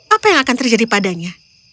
apa yang akan terjadi padanya